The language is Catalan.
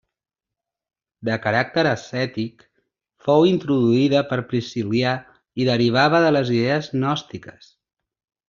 De caràcter ascètic, fou introduïda per Priscil·lià i derivava de les idees gnòstiques.